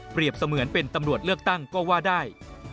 เสมือนเป็นตำรวจเลือกตั้งก็ว่าได้